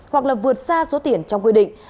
hoặc là vượt xa số tiền trong quy định